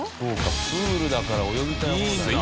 プールだから泳ぎたい放題だ。